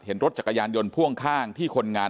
เห็นรถจักรยานยนต์พ่วงข้างที่คนงาน